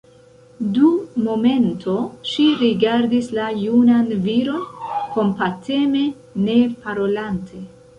Dum momento ŝi rigardis la junan viron kompateme, ne parolante.